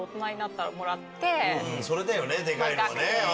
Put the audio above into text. それだよねデカいのはねうん。